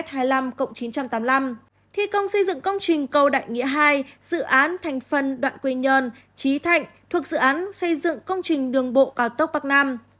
thi công xây dựng công trình cầu đại nghĩa hai dự án thành phần đoạn quy nhơn trí thạnh thuộc dự án xây dựng công trình đường bộ cao tốc bắc nam